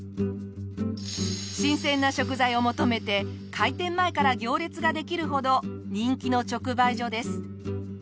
新鮮な食材を求めて開店前から行列ができるほど人気の直売所です。